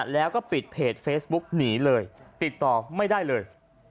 แล้วก็ปิดเพจเฟซบุ๊กหนีเลยติดต่อไม่ได้เลย